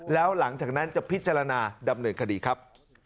แล้วหลังจากนั้นจะพิจารณาดำเนินคดีครับ